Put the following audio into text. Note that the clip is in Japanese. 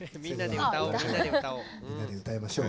みんなで歌おう。